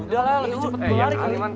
udah lah lebih cepet gue lari